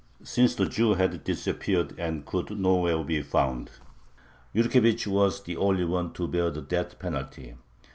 Since the Jew had disappeared and could nowhere be found, Yurkevich was the only one to bear the death penalty.